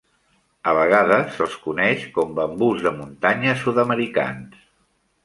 A vegades se'ls coneix com bambús de muntanya sud-americans.